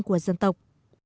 của dân tộc